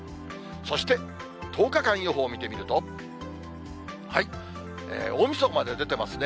そして１０日間予報見てみると、大みそかまで出てますね。